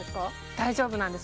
大丈夫なんです